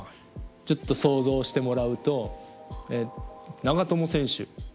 ちょっと想像してもらうと長友選手